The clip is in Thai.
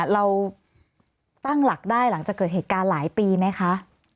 เราตั้งหลักได้หลังจากเกิดเหตุการณ์หลายปีไหมคะ